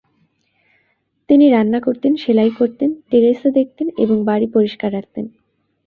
তিনি রান্না করতেন, সেলাই করতেন, টেরেসা দেখতেন এবং বাড়ি পরিষ্কার রাখতেন।